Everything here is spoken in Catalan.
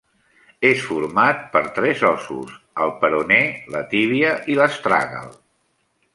És format per tres ossos: el peroné, la tíbia i l'astràgal.